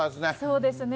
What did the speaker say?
そうですね。